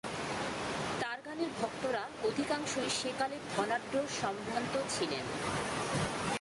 তার গানের ভক্তরা অধিকাংশই সেকালের ধনাঢ্য সম্ভ্রান্ত ছিলেন।